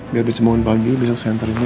biar besok bangun pagi besok saya hantarinya